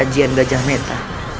ajian gajah meta